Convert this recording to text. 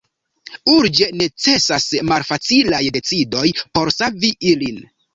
Urĝe necesas malfacilaj decidoj por savi ilin.